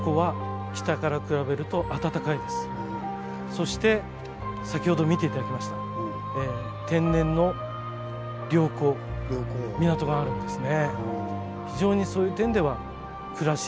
そして先ほど見て頂きました港があるんですね。